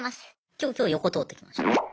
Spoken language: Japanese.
今日横通ってきました。